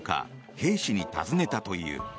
兵士に尋ねたという。